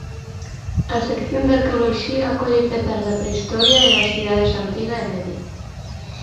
A sección de arqueoloxía acolle pezas da prehistoria e das idades Antiga e Media.